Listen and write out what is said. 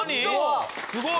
すごい！